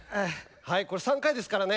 これ３回ですからね。